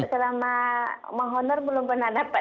selama menghonor belum pernah dapat